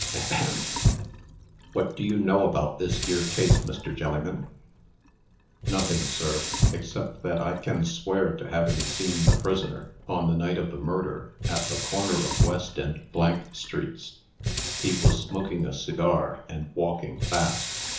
Ahem! What do you know about this 'ere case, Mr. Jelliman?" "Nothing, sir, except that I can swear to having seen the prisoner, on the night of the murder, at the corner of West and streets. He was smoking a cigar, and walking fast.